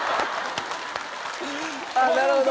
あっなるほど。